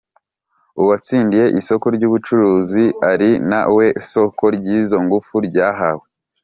Uwatsindiy isoko ryubucuruzi ari na we soko ry izo ngufu ryahawe